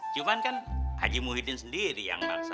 cuma kan haji muhyiddin sendiri yang nangsa